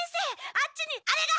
あっちにあれが！